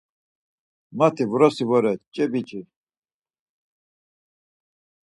Mati vrosi vore, ç̌e biç̌i.